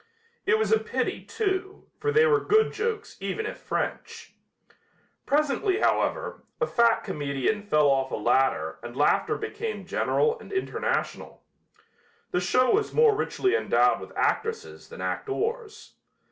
It was a pity, too, for they were good jokes even if French. Presently, however, a fat comedian fell off a ladder and laughter became general and international. The show was more richly endowed with actresses than actors.